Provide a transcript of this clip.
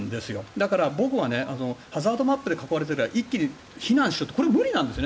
だから僕はハザードマップで囲われていても一気に避難しろってこれは無理なんですね。